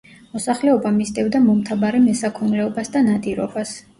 მოსახლეობა მისდევდა მომთაბარე მესაქონლეობას და ნადირობას.